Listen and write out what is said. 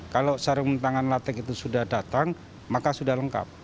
kalau sarung tangan latek itu sudah datang maka sudah lengkap